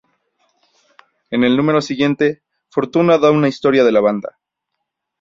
En el número siguiente, Fortuna da una historia de la banda.